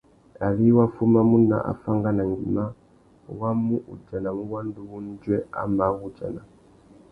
Ari wá fumamú nà afánganangüima, wá mù udjanamú wanda uwú undjuê a mà wu udjana.